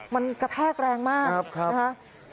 มันกระแทกแรงมากนะคะ